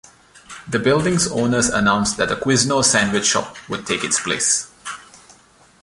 The building's owners announced that a Quiznos sandwich shop would take its place.